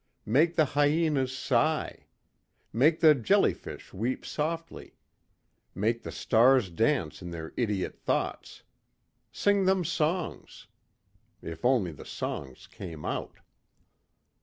Make the hyenas sigh. Make the jellyfish weep softly. Make the stars dance in their idiot thoughts. Sing them songs. If only the songs came out.